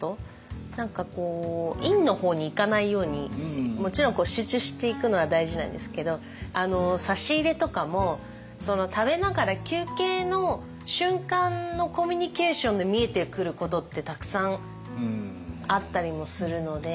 何かこう陰の方にいかないようにもちろん集中していくのは大事なんですけど差し入れとかも食べながら休憩の瞬間のコミュニケーションで見えてくることってたくさんあったりもするので。